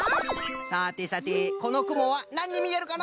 さてさてこのくもはなんにみえるかの？